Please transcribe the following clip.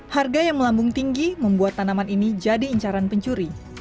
harga yang melambung tinggi membuat tanaman ini jadi incaran pencuri